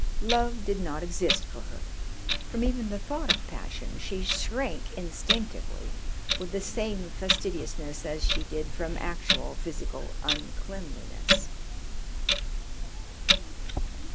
Love did not exist for her; from even the thought of passion she shrank instinctively with the same fastidiousness as she did from actual physical uncleanliness.